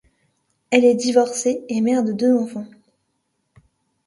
Elle est divorcée et mère de deux enfants.